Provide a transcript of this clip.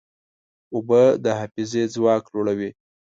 اوبه د حافظې ځواک لوړوي.